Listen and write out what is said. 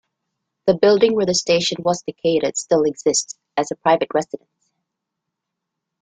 The building where the station was located still exists as a private residence.